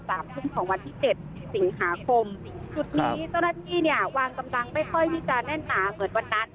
สามทุ่มของวันที่เจ็ดสิงหาคมจุดนี้เจ้าหน้าที่เนี่ยวางกำลังไม่ค่อยที่จะแน่นหนาเหมือนวันนั้น